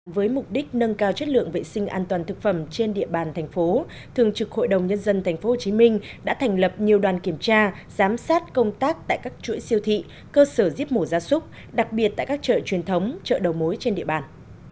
với mục đích nâng cao chất lượng vệ sinh an toàn thực phẩm trên địa bàn thành phố thường trực hội đồng nhân dân tp hcm đã thành lập nhiều đoàn kiểm tra giám sát công tác tại các chuỗi siêu thị cơ sở giết mổ ra súc đặc biệt tại các chợ truyền thống chợ đầu mối trên địa bàn